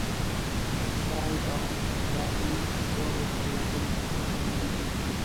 دای او دادۍ دواړه پر یو بل ژوندي دي.